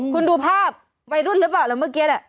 คุณดูภาพวัยรุ่นหรือเปล่าแล้วเมื่อกี้น่ะ